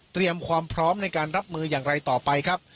เตรียมความพร้อมในการรับมืออย่างไรต่อไปครับ